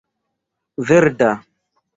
verda